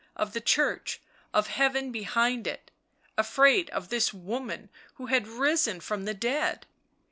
of the Church, of Heaven behind it — afraid of this woman who had risen from the dead.